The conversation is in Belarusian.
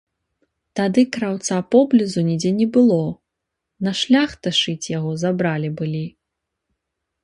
Тады краўца поблізу нідзе не было, на шляхта шыць яго забралі былі.